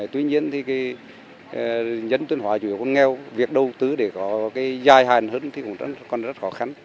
tuy nhiên thì dân tuyên hóa chủ yếu còn nghèo việc đầu tư để có dài hạn hơn thì còn rất khó khăn